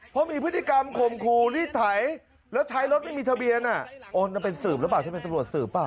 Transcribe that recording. เพราะมีพฤติกรรมข่มขู่รีดไถแล้วใช้รถไม่มีทะเบียนโอนจะเป็นสืบหรือเปล่าที่เป็นตำรวจสืบเปล